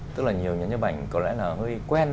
tức là nhiều nhân nhân bảnh có lẽ là hơi quen